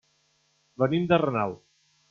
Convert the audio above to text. Venim de Renau.